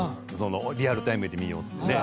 リアルタイムで見ようっつってね